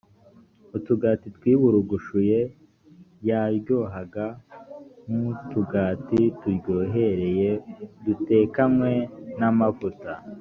utugati twiburungushuye yaryohaga nk utugati turyohereye dutekanywe n amavuta